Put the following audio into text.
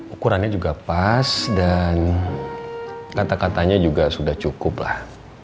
ukurannya juga pas dan kata katanya juga sudah cukup lah